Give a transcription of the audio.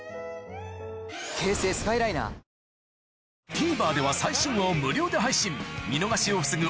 ＴＶｅｒでは最新話を無料で配信見逃しを防ぐ